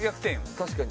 確かに。